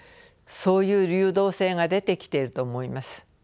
そういう流動性が出てきていると思います。